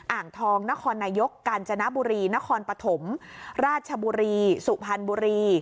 อ่างทองนครนายกกาญจนบุรีนครปฐมราชบุรีสุพรรณบุรี